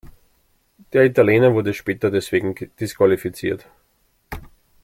Der Italiener wurde später deswegen disqualifiziert.